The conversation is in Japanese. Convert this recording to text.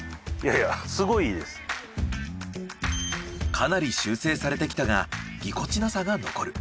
かなり修正されてきたがぎこちなさが残る。